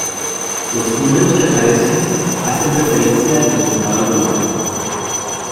Los números que aparecen hacen referencia al resultado global.